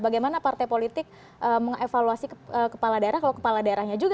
bagaimana partai politik mengevaluasi kepala daerah kalau kepala daerahnya juga